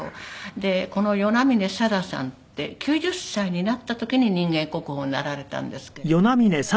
でこの与那嶺貞さんって９０歳になった時に人間国宝になられたんですけれども。